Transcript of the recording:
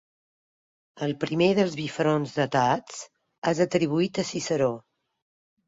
El primer dels bifronts datats es atribuït a Ciceró.